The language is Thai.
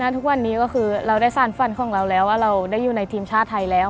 ทุกวันนี้ก็คือเราได้สารฝันของเราแล้วว่าเราได้อยู่ในทีมชาติไทยแล้ว